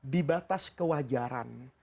di batas kewajaran